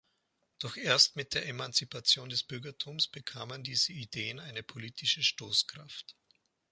Doch erst mit der Emanzipation des Bürgertums bekamen diese Ideen eine politische Stoßkraft.